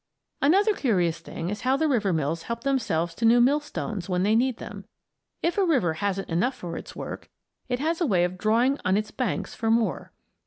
] Another curious thing is how the river mills help themselves to new millstones when they need them. If a river hasn't enough for its work, it has a way of drawing on its banks for more.